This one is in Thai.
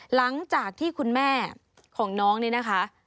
หลังจากที่คุณแม่ของน้องนี่นะคะ